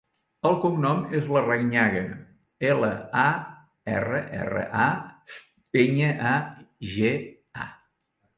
El cognom és Larrañaga: ela, a, erra, erra, a, enya, a, ge, a.